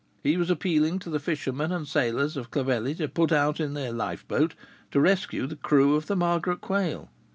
He was appealing to the fishermen and sailors of Clovelly to put out in their lifeboat to rescue the crew of the Margaret Quail.